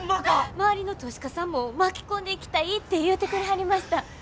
周りの投資家さんも巻き込んでいきたいって言うてくれはりました。